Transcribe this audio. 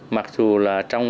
mặc dù là trong